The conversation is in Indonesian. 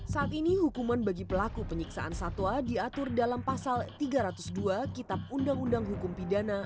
saat ini hukuman bagi pelaku penyiksaan satwa diatur dalam pasal tiga ratus dua kitab undang undang hukum pidana